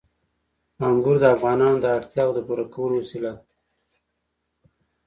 انګور د افغانانو د اړتیاوو د پوره کولو وسیله ده.